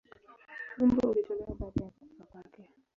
Wimbo ulitolewa baada ya kufa kwake.